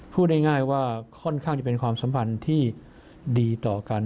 พูดง่ายว่าค่อนข้างจะเป็นความสัมพันธ์ที่ดีต่อกัน